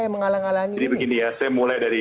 yang menghalang halangi ini ini begini ya saya mulai dari